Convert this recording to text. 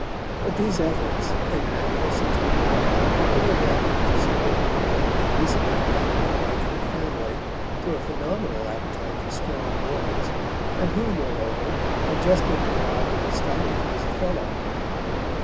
But these efforts, and an annual Seatonian, were ill adapted to support a poet who had recently appended a wife and family to a phenomenal appetite for strong waters, and who, moreover, had just been deprived of his stipend as a fellow.